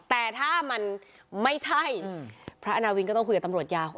แต่ถ้ามันไม่ใช่พระอาณาวินก็ต้องคุยกับตำรวจยาว